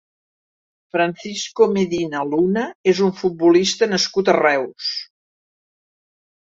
Francisco Medina Luna és un futbolista nascut a Reus.